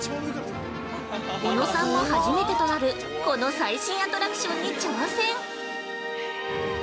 おのさんも初めてとなるこの最新アトラクションに挑戦！